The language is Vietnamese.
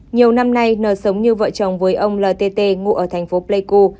nhiều năm nay n sống như vợ chồng với ông ltt ngụ ở thành phố pleiku